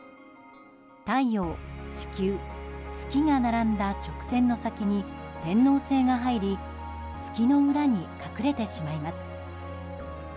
太陽、地球、月が並んだ直線の先に天王星が入り月の裏に隠れてしまいます。